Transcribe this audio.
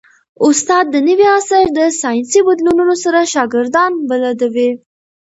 استاد د نوي عصر د ساینسي بدلونونو سره شاګردان بلدوي.